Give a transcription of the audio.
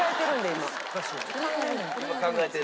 今考えてる？